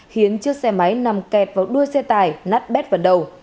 khiến chiếc xe máy nằm kẹt vào đuôi xe tải nắt bét vào đầu